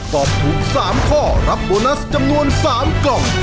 ตอบถูก๓ข้อรับโบนัสจำนวน๓กล่อง